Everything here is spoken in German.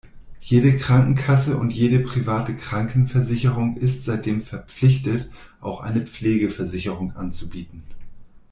Jede Krankenkasse und jede Private Krankenversicherung ist seitdem verpflichtet, auch eine Pflegeversicherung anzubieten.